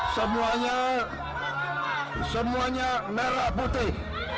semuanya semuanya merah putih